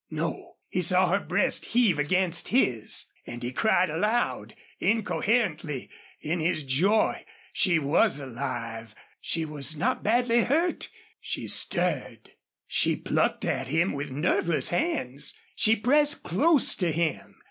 No; he saw her breast heave against his! And he cried aloud, incoherently in his joy. She was alive. She was not badly hurt. She stirred. She plucked at him with nerveless hands. She pressed close to him.